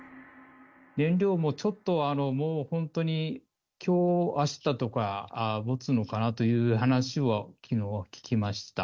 燃料もちょっと、もう本当に、きょう、あしたとかもつのかなという話はきのう聞きました。